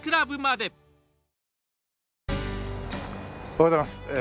おはようございます。